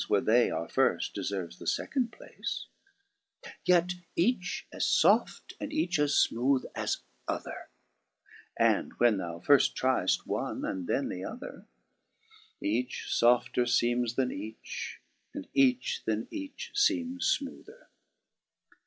Where they are firft, deferves the fecond place ; Yet each as foft and each as fmooth as other ; And when thou firft tri'ft one, and then the other, Each fofter feemes then each, and each then each feemes fmoother.